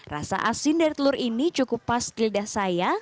rasa asin dari telur ini cukup pas di lidah saya